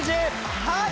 はい！